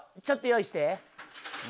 ちょっと用意して。